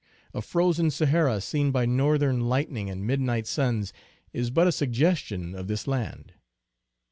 A frozen Sahara seen by Northern lightning and midnight suns is but a suggestion of this land.